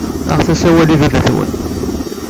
Aɣet-as awal i baba-twen.